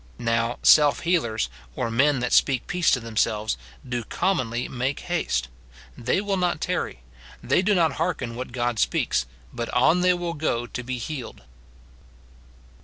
Now, self healers, or men that speak peace to themselves, do commonly make haste ; they will not tarry ; they do not hearken what God speaks, but on they will go to be healed, f (3.)